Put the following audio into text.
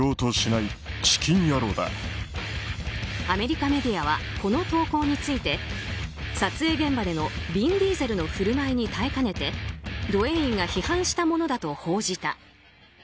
アメリカメディアはこの投稿について撮影現場でのヴィン・ディーゼルの振る舞いに耐えかねてドウェインが批判したものだと報じた。